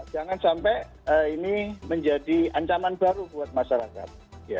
jangan sampai ini menjadi ancaman baru buat masyarakat